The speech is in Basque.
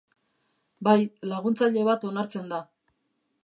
Bai, laguntzaile bat onartzen da.